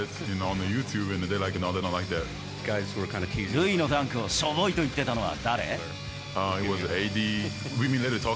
塁のダンクをしょぼいと言っていたのは、誰？